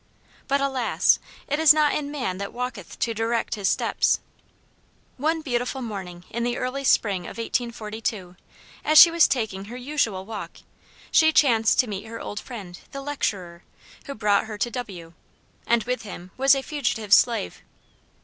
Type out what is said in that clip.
But, alas, "it is not in man that walketh to direct his steps." One beautiful morning in the early spring of 1842, as she was taking her usual walk, she chanced to meet her old friend, the "lecturer," who brought her to W , and with him was a fugitive slave.